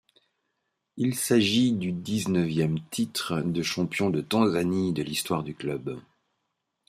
Il s'agit du dix-neuvième titre de champion de Tanzanie de l'histoire du club.